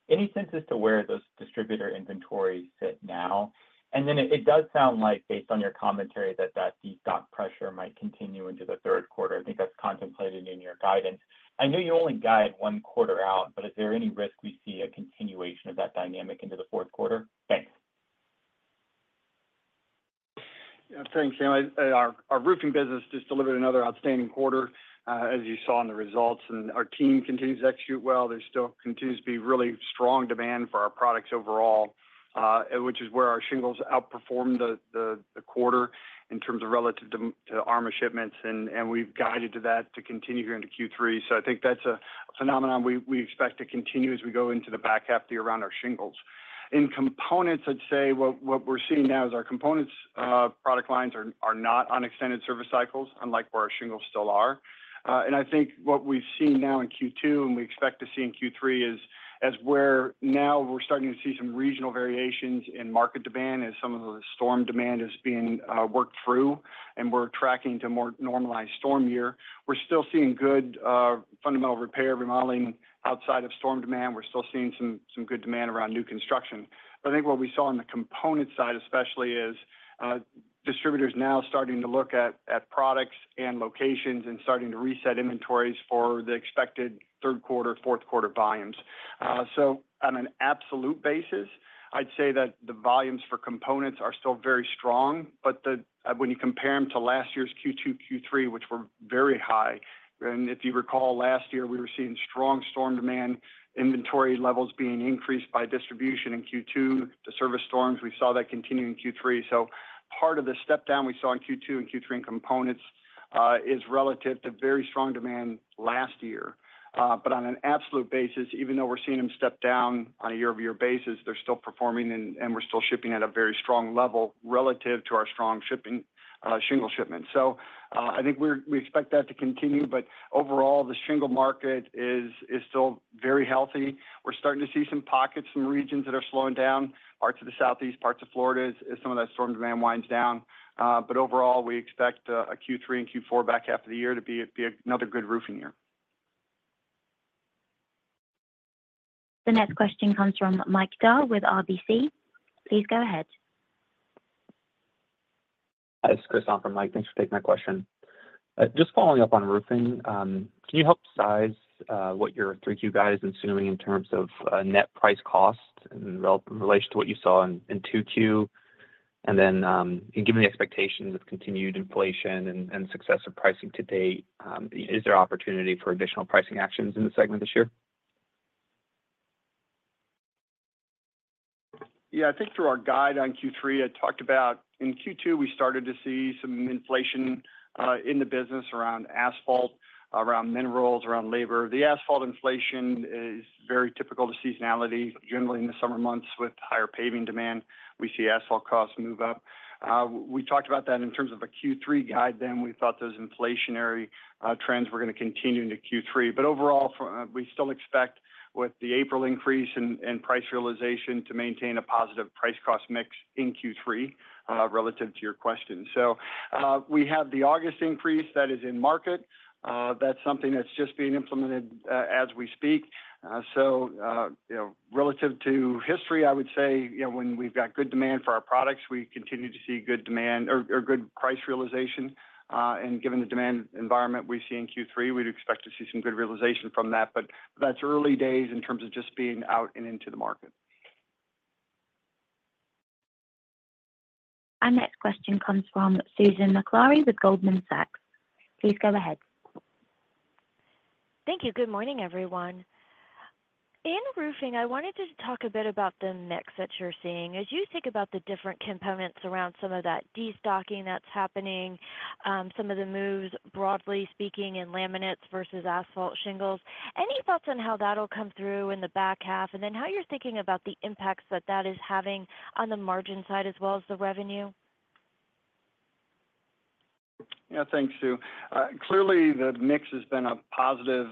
Any sense as to where those distributor inventories sit now? And then it does sound like, based on your commentary, that destock pressure might continue into the third quarter. I think that's contemplated in your guidance. I know you only guide one quarter out, but is there any risk we see a continuation of that dynamic into the fourth quarter? Thanks. Yeah. Thanks, Sam. Our roofing business just delivered another outstanding quarter, as you saw in the results, and our team continues to execute well. There still continues to be really strong demand for our products overall, which is where our shingles outperformed the quarter in terms of relative demand to ARMA shipments, and we've guided to that to continue here into Q3. So I think that's a phenomenon we expect to continue as we go into the back half of the year around our shingles. In components, I'd say what we're seeing now is our components product lines are not on extended service cycles, unlike where our shingles still are. And I think what we've seen now in Q2, and we expect to see in Q3, is as we're now we're starting to see some regional variations in market demand as some of the storm demand is being worked through, and we're tracking to more normalized storm year. We're still seeing good fundamental repair, remodeling outside of storm demand. We're still seeing some good demand around new construction. But I think what we saw on the component side especially is distributors now starting to look at products and locations and starting to reset inventories for the expected third quarter, fourth quarter volumes. So on an absolute basis, I'd say that the volumes for components are still very strong, but when you compare them to last year's Q2, Q3, which were very high, and if you recall, last year, we were seeing strong storm demand, inventory levels being increased by distribution in Q2 to service storms. We saw that continue in Q3. So part of the step-down we saw in Q2 and Q3 in components is relative to very strong demand last year. But on an absolute basis, even though we're seeing them step down on a year-over-year basis, they're still performing and we're still shipping at a very strong level relative to our strong shipping, shingle shipments. So, I think we expect that to continue, but overall, the shingle market is still very healthy. We're starting to see some pockets in the regions that are slowing down. Parts of the Southeast, parts of Florida, as some of that storm demand winds down. But overall, we expect a Q3 and Q4 back half of the year to be another good roofing year. The next question comes from Mike Dahl with RBC. Please go ahead. Hi, it's Christophe from Mike. Thanks for taking my question. Just following up on roofing, can you help size what your 3Q guide is assuming in terms of net price cost in relation to what you saw in 2Q? And then, and given the expectations of continued inflation and success of pricing to date, is there opportunity for additional pricing actions in this segment this year? Yeah. I think through our guide on Q3, I talked about in Q2, we started to see some inflation in the business around asphalt, around minerals, around labor. The asphalt inflation is very typical to seasonality. Generally, in the summer months with higher paving demand, we see asphalt costs move up. We talked about that in terms of a Q3 guide, then we thought those inflationary trends were gonna continue into Q3. But overall, for we still expect with the April increase and price realization to maintain a positive price cost mix in Q3 relative to your question. So, we have the August increase that is in market. That's something that's just being implemented as we speak. So, you know, relative to history, I would say, you know, when we've got good demand for our products, we continue to see good demand or good price realization. And given the demand environment we see in Q3, we'd expect to see some good realization from that, but that's early days in terms of just being out and into the market. Our next question comes from Susan Maklari with Goldman Sachs. Please go ahead. Thank you. Good morning, everyone. In roofing, I wanted to talk a bit about the mix that you're seeing. As you think about the different components around some of that destocking that's happening, some of the moves, broadly speaking, in laminates versus asphalt shingles, any thoughts on how that'll come through in the back half, and then how you're thinking about the impacts that that is having on the margin side as well as the revenue? Yeah, thanks, Sue. Clearly, the mix has been a positive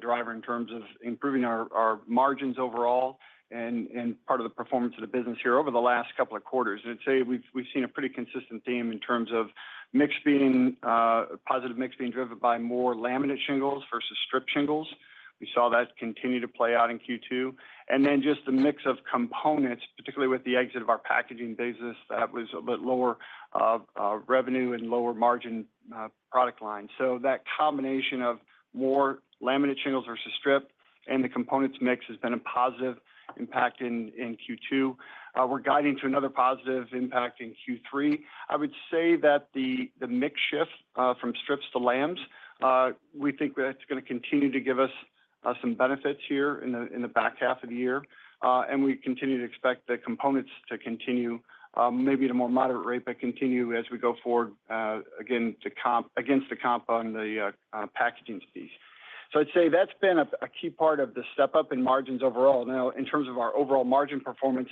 driver in terms of improving our margins overall and part of the performance of the business here over the last couple of quarters. I'd say we've seen a pretty consistent theme in terms of mix being positive mix being driven by more laminate shingles versus strip shingles. We saw that continue to play out in Q2, and then just the mix of components, particularly with the exit of our packaging business, that was a bit lower revenue and lower margin product line. So that combination of more laminate shingles versus strip and the components mix has been a positive impact in Q2. We're guiding to another positive impact in Q3. I would say that the mix shift from strips to laminates, we think that's gonna continue to give us some benefits here in the back half of the year. And we continue to expect the components to continue, maybe at a more moderate rate, but continue as we go forward, again, to compare against the comp on the packaging piece. So I'd say that's been a key part of the step up in margins overall. Now, in terms of our overall margin performance,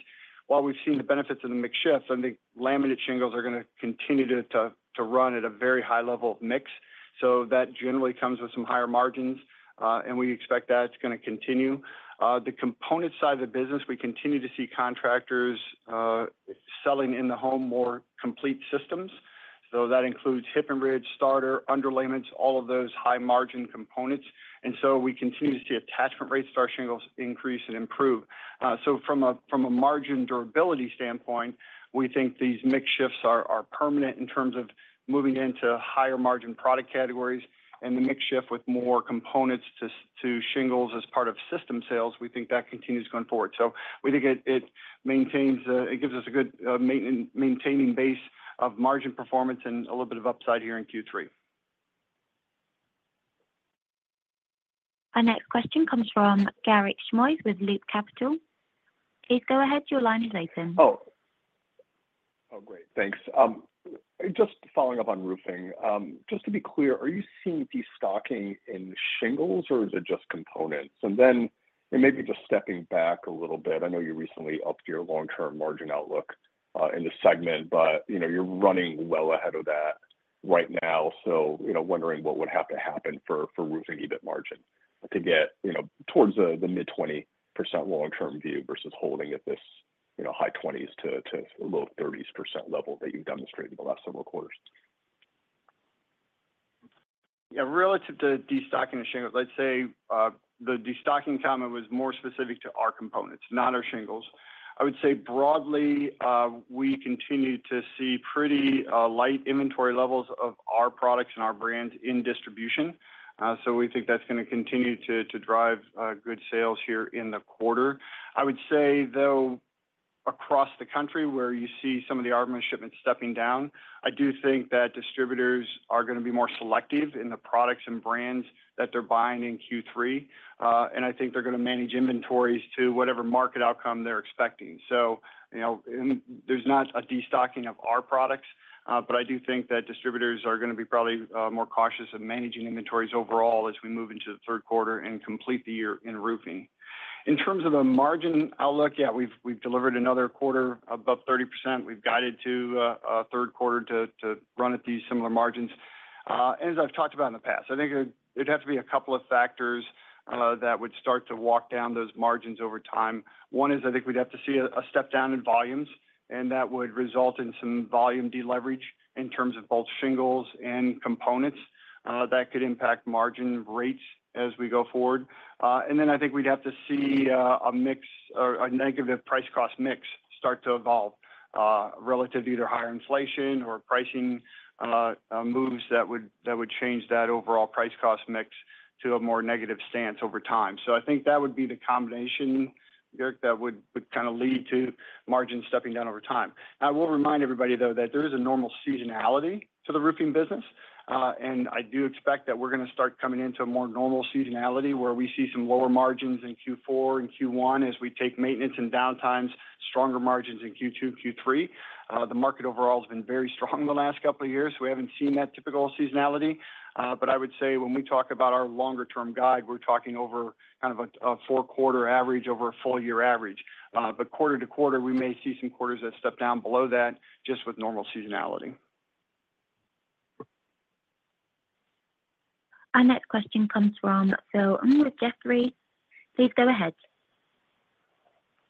while we've seen the benefits of the mix shift, and the laminate shingles are gonna continue to run at a very high level of mix, so that generally comes with some higher margins, and we expect that's gonna continue. The component side of the business, we continue to see contractors selling in the home more complete systems. So that includes hip and ridge, starter, underlayments, all of those high-margin components. And so we continue to see attachment rates to our shingles increase and improve. So from a margin durability standpoint, we think these mix shifts are permanent in terms of moving into higher margin product categories and the mix shift with more components to shingles as part of system sales, we think that continues going forward. So we think it maintains, it gives us a good maintaining base of margin performance and a little bit of upside here in Q3. Our next question comes from Garik Shmois with Loop Capital. Please go ahead. Your line is open. Oh! Oh, great. Thanks. Just following up on roofing. Just to be clear, are you seeing destocking in shingles, or is it just components? And then, and maybe just stepping back a little bit, I know you recently upped your long-term margin outlook in the segment, but, you know, you're running well ahead of that right now. So, you know, wondering what would have to happen for, for roofing EBIT margin to get, you know, towards the, the mid-20% long-term view versus holding at this, you know, high 20s% to low 30s % level that you've demonstrated in the last several quarters. Yeah, relative to destocking the shingles, let's say, the destocking comment was more specific to our components, not our shingles. I would say broadly, we continue to see pretty light inventory levels of our products and our brands in distribution. So we think that's gonna continue to drive good sales here in the quarter. I would say, though, across the country, where you see some of the ARMA shipments stepping down, I do think that distributors are gonna be more selective in the products and brands that they're buying in Q3. And I think they're gonna manage inventories to whatever market outcome they're expecting. So, you know, and there's not a destocking of our products, but I do think that distributors are gonna be probably, more cautious in managing inventories overall as we move into the third quarter and complete the year in roofing. In terms of the margin outlook, yeah, we've delivered another quarter above 30%. We've guided to a third quarter to run at these similar margins. And as I've talked about in the past, I think it, it'd have to be a couple of factors that would start to walk down those margins over time. One is, I think we'd have to see a step down in volumes, and that would result in some volume deleverage in terms of both shingles and components. That could impact margin rates as we go forward. Then I think we'd have to see a mix or a negative price cost mix start to evolve relative to either higher inflation or pricing moves that would change that overall price cost mix to a more negative stance over time. So I think that would be the combination, Garik, that would kind of lead to margins stepping down over time. I will remind everybody, though, that there is a normal seasonality to the roofing business. I do expect that we're gonna start coming into a more normal seasonality, where we see some lower margins in Q4 and Q1, as we take maintenance and downtimes, stronger margins in Q2, Q3. The market overall has been very strong the last couple of years, so we haven't seen that typical seasonality. But I would say when we talk about our longer-term guide, we're talking over kind of a four-quarter average over a full year average. But quarter to quarter, we may see some quarters that step down below that, just with normal seasonality. Our next question comes from Phil Ng with Jefferies. Please go ahead.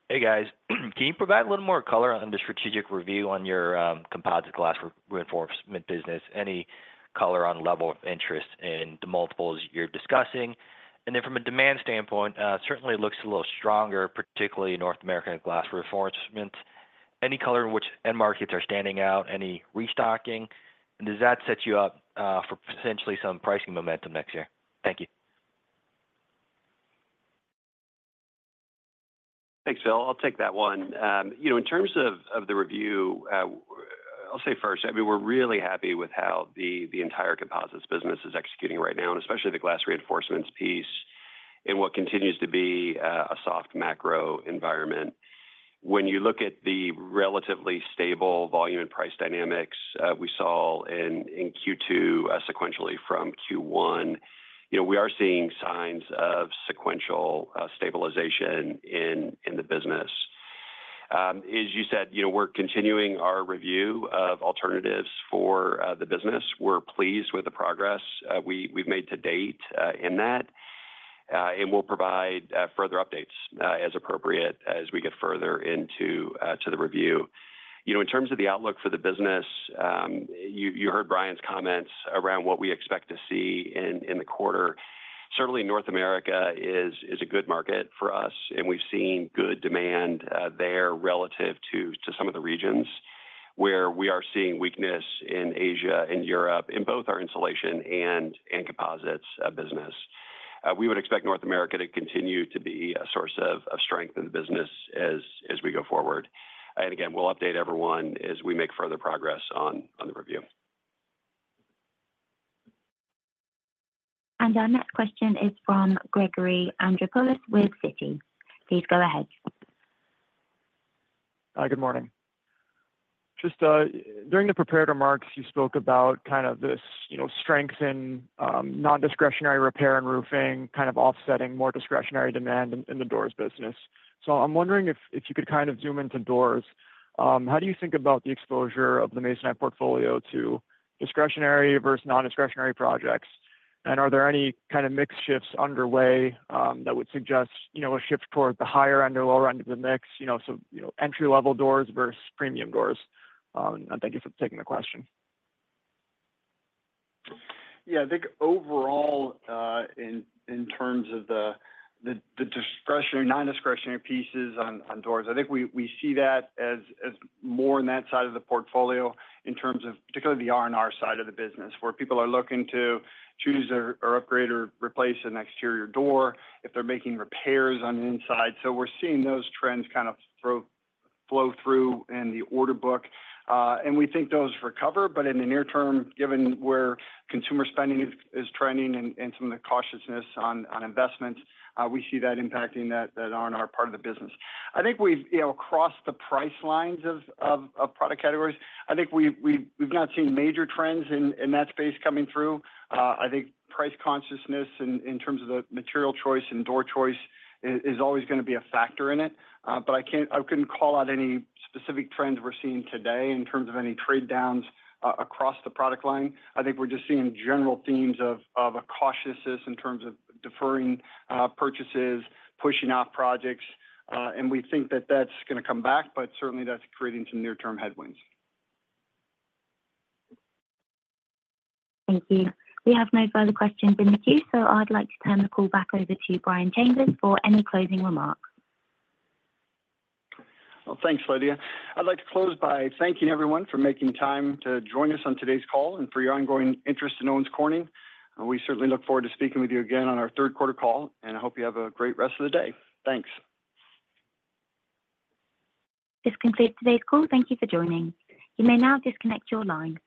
Hey, guys. Can you provide a little more color on the strategic review on your composites Glass Reinforcements business? Any color on level of interest in the multiples you're discussing? And then from a demand standpoint, certainly looks a little stronger, particularly in North America and Glass Reinforcements. Any color in which end markets are standing out, any restocking, and does that set you up for potentially some pricing momentum next year? Thank you. Thanks, Phil. I'll take that one. You know, in terms of the review, I'll say first, I mean, we're really happy with how the entire composites business is executing right now, and especially the Glass Reinforcements piece in what continues to be a soft macro environment. When you look at the relatively stable volume and price dynamics we saw in Q2 sequentially from Q1, you know, we are seeing signs of sequential stabilization in the business. As you said, you know, we're continuing our review of alternatives for the business. We're pleased with the progress we've made to date in that, and we'll provide further updates as appropriate as we get further into the review. You know, in terms of the outlook for the business, you heard Brian's comments around what we expect to see in the quarter. Certainly, North America is a good market for us, and we've seen good demand there relative to some of the regions where we are seeing weakness in Asia and Europe, in both our insulation and in composites business. We would expect North America to continue to be a source of strength in the business as we go forward. And again, we'll update everyone as we make further progress on the review. Our next question is from Gregory Andreopoulos with Citi. Please go ahead. Hi, good morning. Just, during the prepared remarks, you spoke about kind of this, you know, strength in nondiscretionary repair and roofing, kind of offsetting more discretionary demand in the doors business. So I'm wondering if you could kind of zoom into doors. How do you think about the exposure of the Masonite portfolio to discretionary versus nondiscretionary projects? And are there any kind of mix shifts underway that would suggest, you know, a shift toward the higher end or lower end of the mix, you know, so, you know, entry-level doors versus premium doors? And thank you for taking the question. Yeah. I think overall, in terms of the discretionary, nondiscretionary pieces on doors, I think we see that as more on that side of the portfolio in terms of particularly the R&R side of the business, where people are looking to choose or upgrade or replace an exterior door if they're making repairs on the inside. So we're seeing those trends kind of flow through in the order book. And we think those recover, but in the near term, given where consumer spending is trending and some of the cautiousness on investment, we see that impacting that R&R part of the business. I think we've, you know, across the price lines of product categories, I think we not seen major trends in that space coming through. I think price consciousness in terms of the material choice and door choice is always gonna be a factor in it. But I can't I couldn't call out any specific trends we're seeing today in terms of any trade downs across the product line. I think we're just seeing general themes of a cautiousness in terms of deferring purchases, pushing out projects, and we think that that's gonna come back, but certainly that's creating some near-term headwinds. Thank you. We have no further questions in the queue, so I'd like to turn the call back over to Brian Chambers for any closing remarks. Well, thanks, Lydia. I'd like to close by thanking everyone for making time to join us on today's call and for your ongoing interest in Owens Corning. We certainly look forward to speaking with you again on our third quarter call, and I hope you have a great rest of the day. Thanks. This concludes today's call. Thank you for joining. You may now disconnect your line.